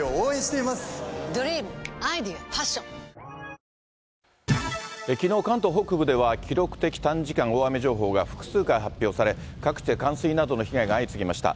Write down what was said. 誕生きのう、関東北部では、記録的短時間大雨情報が複数回発表され、各地で冠水などの被害が相次ぎました。